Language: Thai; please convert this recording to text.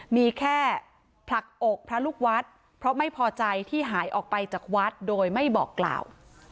มีแค่ผลักอกพระลูกวัดเพราะไม่พอใจที่หายออกไปจากวัดโดยไม่บอกกล่าว